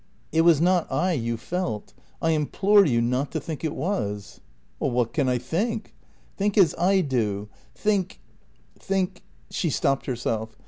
"It was not I you felt. I implore you not to think it was." "What can I think?" "Think as I do; think think " She stopped herself.